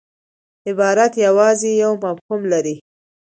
عبارت یوازي یو مفهوم لري.